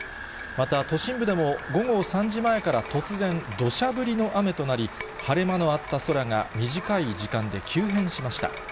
また都心部でも午後３時前から突然、どしゃ降りの雨となり、晴れ間のあった空が短い時間で急変しました。